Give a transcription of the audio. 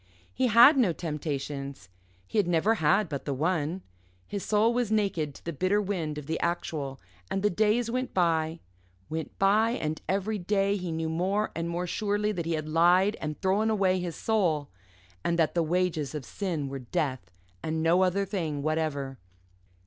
He had no temptations; he had never had but the one. His soul was naked to the bitter wind of the actual; and the days went by, went by, and every day he knew more and more surely that he had lied and thrown away his soul, and that the wages of sin were death, and no other thing whatever.